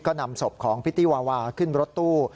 ก็นำศพของพิตตี้วาวาขึ้นรถตู้